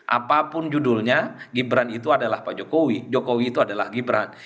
apapun judulnya gibran itu adalah pak jokowi jokowi itu adalah gibran